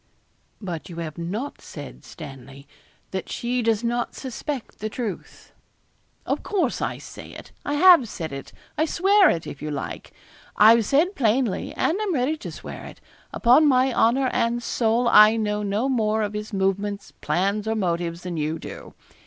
'But you have not said, Stanley, that she does not suspect the truth.' 'Of course, I say it; I have said it. I swear it, if you like. I've said plainly, and I'm ready to swear it. Upon my honour and soul I know no more of his movements, plans, or motives, than you do.